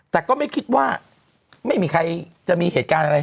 แต่ก็ไม่คิดว่าไม่มีใครจะมีเหตุการณ์อะไร